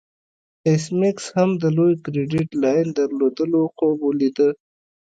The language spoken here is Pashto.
ایس میکس هم د لوی کریډیټ لاین درلودلو خوب لیده